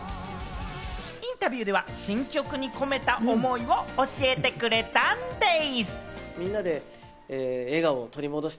インタビューでは新曲に込めた思いを教えてくれたんでぃす！